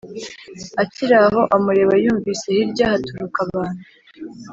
akiraho amureba yumvise hirya haturuka abantu